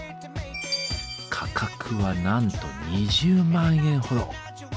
価格はなんと２０万円ほど。